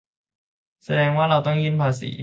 แสดงว่าเราต้องยื่นภาษี